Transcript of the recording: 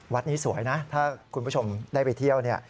วัดนี้สวยนะถ้าคุณผู้ชมได้ไปเที่ยวเนี่ย